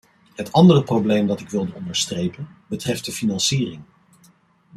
Het andere probleem dat ik wilde onderstrepen betreft de financiering.